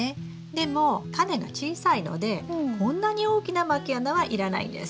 でもタネが小さいのでこんなに大きなまき穴はいらないんです。